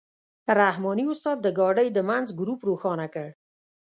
رحماني استاد د ګاډۍ د منځ ګروپ روښانه کړ.